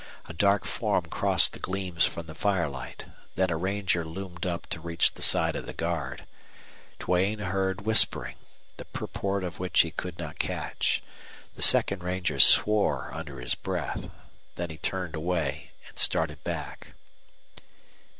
A dark form crossed the gleams from the fire light. Then a ranger loomed up to reach the side of the guard. Duane heard whispering, the purport of which he could not catch. The second ranger swore under his breath. Then he turned away and started back.